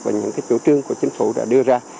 và những chủ trương của chính phủ đã đưa ra